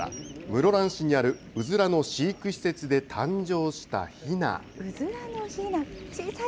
室蘭市にあるうずらの飼育施設で誕生したひな。